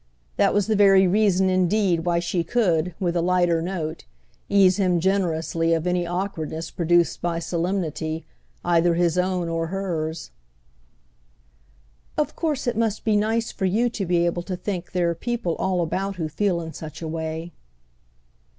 That was the very reason indeed why she could, with a lighter note, ease him generously of any awkwardness produced by solemnity, either his own or hers. "Of course it must be nice for you to be able to think there are people all about who feel in such a way."